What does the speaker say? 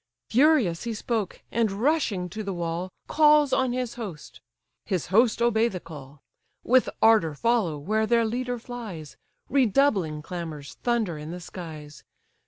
Furious he spoke, and, rushing to the wall, Calls on his host; his host obey the call; With ardour follow where their leader flies: Redoubling clamours thunder in the skies.